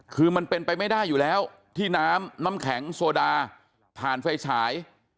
คือมันเป็นไปไม่ได้อยู่แล้วที่น้ำน้ำแข็งโซดาผ่านไฟฉาย